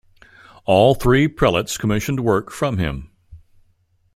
All three prelates commissioned work from him.